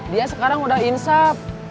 dia sekarang udah insap